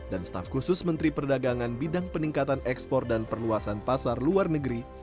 dan staf khusus menteri perdagangan bidang peningkatan ekspor dan perluasan pasar luar negeri